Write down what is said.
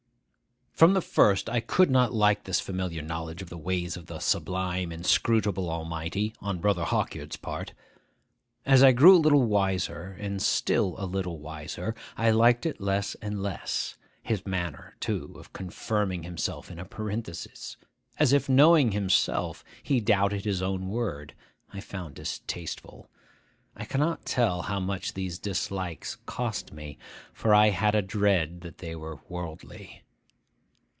From the first I could not like this familiar knowledge of the ways of the sublime, inscrutable Almighty, on Brother Hawkyard's part. As I grew a little wiser, and still a little wiser, I liked it less and less. His manner, too, of confirming himself in a parenthesis,—as if, knowing himself, he doubted his own word,—I found distasteful. I cannot tell how much these dislikes cost me; for I had a dread that they were worldly.